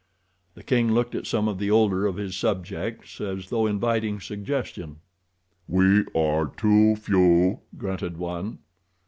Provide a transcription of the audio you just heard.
The king looked at some of the older of his subjects, as though inviting suggestion. "We are too few," grunted one.